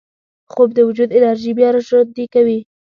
خوب د وجود انرژي بیا راژوندي کوي